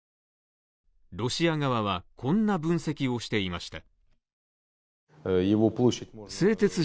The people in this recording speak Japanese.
ロシア側はこんな分析をしていました。